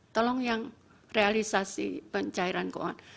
tolong yang realisasi pencairan keuangan